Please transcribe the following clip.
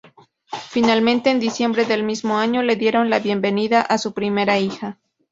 Finalmente en diciembre del mismo año le dieron la bienvenida a su primera hija.